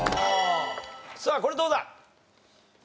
さあこれどうだ？